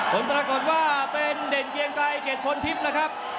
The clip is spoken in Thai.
ผลปรากฏว่าเป็นเด่นเกียงไกรเกรดพลทิพย์นะครับ